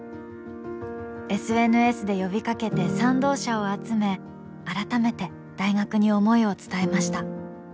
ＳＮＳで呼びかけて賛同者を集め改めて大学に思いを伝えました。